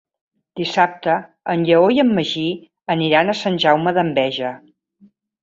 Dissabte en Lleó i en Magí aniran a Sant Jaume d'Enveja.